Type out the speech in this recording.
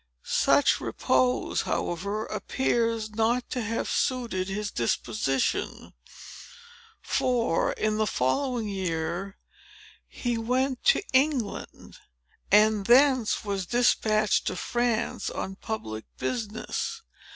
Such repose, however, appears not to have suited his disposition; for, in the following year, he went to England, and thence was dispatched to France, on public business.